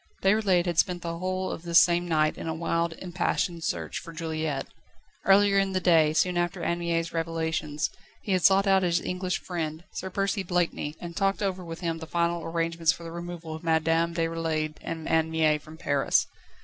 Déroulède had spent the whole of this same night in a wild, impassioned search for Juliette. Earlier in the day, soon after Anne Mie's revelations, he had sought out his English friend, Sir Percy Blakeney, and talked over with him the final arrangements for the removal of Madame Déroulède and Anne Mie from Paris.